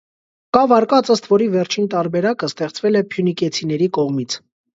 Կա վարկած, ըստ որի, վերջին տարբերակը ստեղծվել է փյունիկեցիների կողմից։